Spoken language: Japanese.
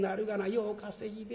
よう稼ぎで。